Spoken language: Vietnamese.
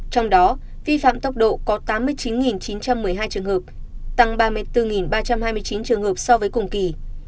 trong đó vi phạm tốc độ có tám mươi chín chín trăm một mươi hai trường hợp tăng ba mươi bốn ba trăm hai mươi chín trường hợp so với cùng kỳ